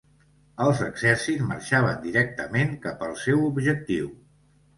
Els exèrcits marxaven directament cap al seu objectiu.